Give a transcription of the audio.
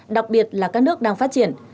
đặc biệt là các nước đang phát triển